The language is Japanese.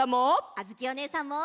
あづきおねえさんも。